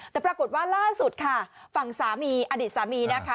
แต่ปรากฏว่าล่าสุดค่ะฝั่งสามีอดีตสามีนะคะ